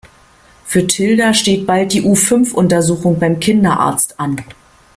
Für Tilda steht bald die U-Fünf Untersuchung beim Kinderarzt an.